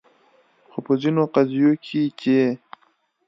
خو په ځینو قضیو کې چې